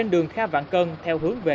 đường kha vạn cơn theo hướng về